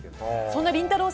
そんなりんたろー。